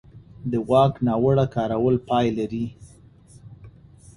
د واک ناوړه کارول پای لري